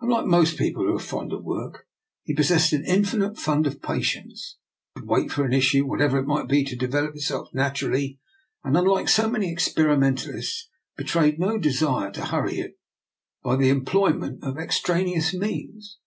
Unlike most people who are fond of work, he pos sessed an infinite fund of patience; could wait for an issue, whatever it might be, to develop itself naturally, and, unlike so many experi mentalists, betrayed no desire to hurry it by the employment of extraneous means.